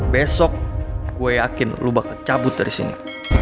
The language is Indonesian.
besok gue yakin lu bakal cabut dari sini